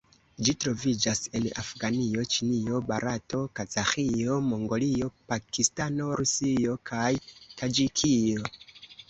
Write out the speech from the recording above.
Ĝi troviĝas en Afganio, Ĉinio, Barato, Kazaĥio, Mongolio, Pakistano, Rusio kaj Taĝikio.